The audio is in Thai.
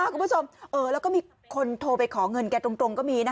คุณผู้ชมแล้วก็มีคนโทรไปขอเงินแกตรงก็มี